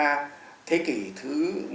là thế kỷ thứ một mươi bốn